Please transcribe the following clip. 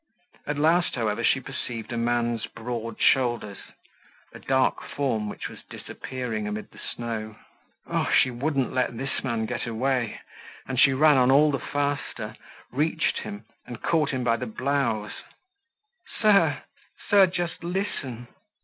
At last, however, she perceived a man's broad shoulders, a dark form which was disappearing amid the snow. Oh! she wouldn't let this man get away. And she ran on all the faster, reached him, and caught him by the blouse: "Sir, sir, just listen."